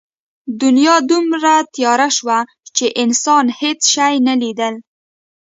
دنیا دومره تیاره شوه چې انسان هېڅ شی نه لیدل.